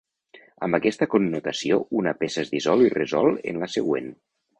Amb aquesta connotació, una peça es dissol i resol en la següent.